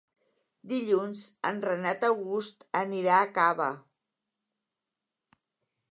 Dilluns en Renat August anirà a Cava.